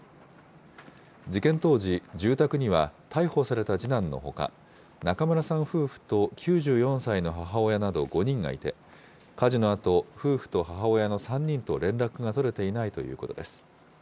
事件当時、住宅には逮捕された次男のほか、中村さん夫婦と９４歳の母親など５人がいて、火事のあと、夫婦と母親の３人と連絡が取れていないということです。